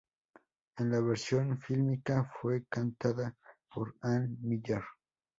En la versión fílmica fue cantada por Ann Miller.